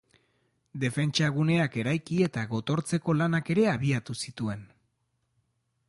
Defentsa guneak eraiki eta gotortzeko lanak ere abiatu zituen.